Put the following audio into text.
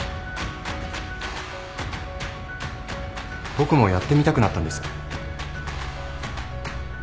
僕もやってみたくなったんです。